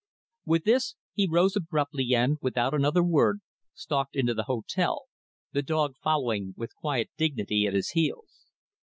With this, he arose abruptly and, without another word, stalked into the hotel; the dog following with quiet dignity, at his heels.